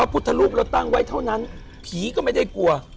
พุทธรูปเราตั้งไว้เท่านั้นผีก็ไม่ได้กลัว